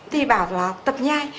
thì bảo là tập nhai